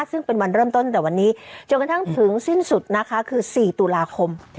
ซึ่งเป็นวันเริ่มต้นแต่วันนี้จนกระทั่งถึงสิ้นสุดนะคะคือ๔ตุลาคม